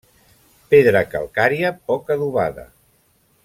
Pedra calcària poc adobada.